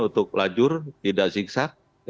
untuk lajur tidak siksa